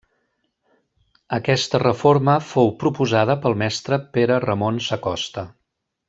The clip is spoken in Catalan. Aquesta reforma fou proposada pel mestre Pere Ramon Sacosta.